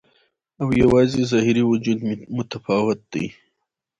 او یوازې ظاهري وجود مې متفاوت دی